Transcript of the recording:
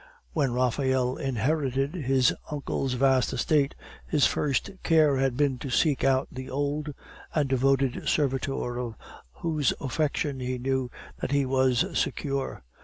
When Raphael inherited his uncle's vast estate, his first care had been to seek out the old and devoted servitor of whose affection he knew that he was secure.